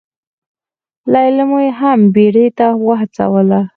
ليلما يې هم بيړې ته وهڅوله.